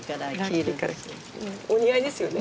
お似合いですよね。